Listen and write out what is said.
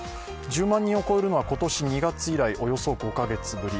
１０万人を超えるのは今年２月以来およそ５カ月ぶり。